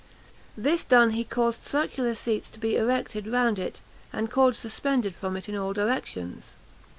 This done, he caused circular seats to be erected round it, and cords suspended from it in all directions.